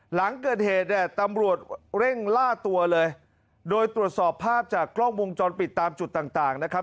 หลังเกิดเหตุเนี่ยตำรวจเร่งล่าตัวเลยโดยตรวจสอบภาพจากกล้องวงจรปิดตามจุดต่างต่างนะครับ